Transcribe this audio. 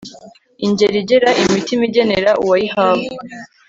ingeri igera imitima igenera uwayihawe